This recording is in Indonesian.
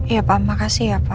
ya papa makasih ya papa